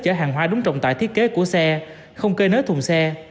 chở hàng hoa đúng trọng tại thiết kế của xe không cây nới thùng xe